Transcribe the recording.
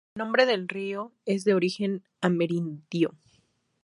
El nombre del río es de origen amerindio.